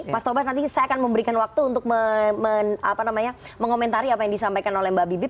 mas tobas nanti saya akan memberikan waktu untuk mengomentari apa yang disampaikan oleh mbak bibip